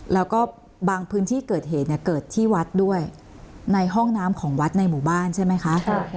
แล้วก็บางพื้นที่เกิดเหตุเนี่ยเกิดที่วัดด้วยในห้องน้ำของวัดในหมู่บ้านใช่ไหมคะ